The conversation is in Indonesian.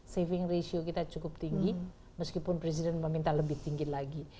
saving ratio kita cukup tinggi meskipun presiden meminta lebih tinggi lagi